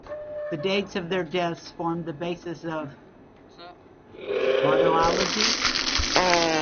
The dates of their deaths formed the basis of martyrologies.